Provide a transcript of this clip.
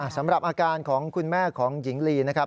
สำหรับอาการของคุณแม่ของหญิงลีนะครับ